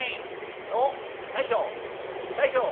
「おっ大将大将」。